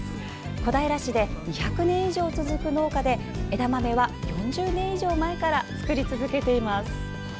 小平市で２００年以上続く農家で枝豆は４０年以上前から作り続けています。